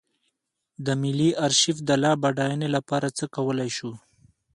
د ملي ارشیف د لا بډاینې لپاره څه کولی شو.